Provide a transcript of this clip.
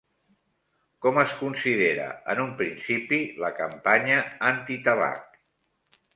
Com es considera en un principi la campanya antitabac?